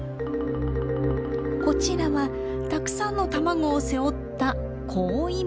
こちらはたくさんの卵を背負ったコオイムシ。